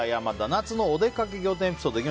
夏のおでかけ仰天エピソード。